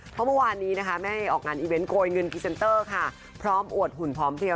เพราะเมื่อวานนี้แม่เอ้ออกงานอีเวนต์โกยเงินพร้อมอวดหุ่นผอมเทียว